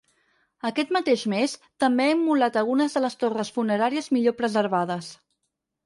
Aquest mateix mes, també ha immolat algunes de les torres funeràries millor preservades.